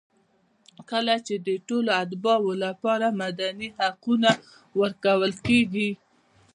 کله چې د ټولو اتباعو لپاره مدني حقونه ورکول کېږي.